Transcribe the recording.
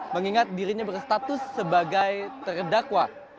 mengingat dirinya berstatus sebagai terdakwa